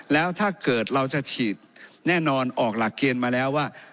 แล้วถ้าเกิดเราจะฉีดแน่นอนออกหลักเกณฑ์มาแล้วว่า